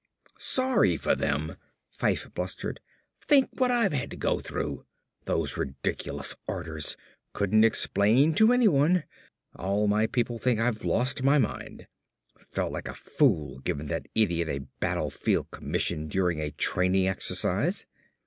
"Sorry for them!" Fyfe blustered. "Think what I've had to go through. Those ridiculous orders; couldn't explain to anyone. All my people think that I've lost my mind. Felt like a fool giving that idiot a battlefield commission during a training exercise."